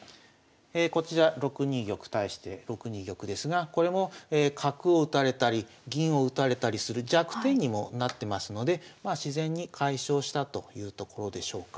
こちら６二玉対して６二玉ですがこれも角を打たれたり銀を打たれたりする弱点にもなってますのでまあ自然に解消したというところでしょうか。